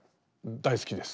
大好きです。